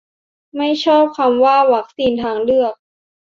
ไม่ชอบคำว่า "วัคซีนทางเลือก"